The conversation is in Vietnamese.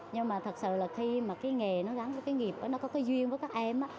nhưng mà thật sự là khi mà cái nghề nó gắn với cái nghiệp nó có cái duyên với các em á